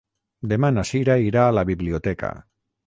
Demà na Sira irà a la biblioteca.